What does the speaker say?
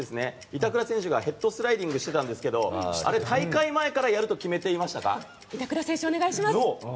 板倉選手がヘッドスライディングしていたんですがあれ、大会前からやると決めていましたか？